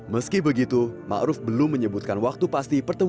meski begitu maruf belum menyebutkan waktu pasti pertemuan